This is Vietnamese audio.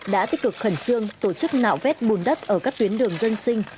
đã tích cực khẩn trương tổ chức nạo vét bùn đất ở các tuyến đường dân sinh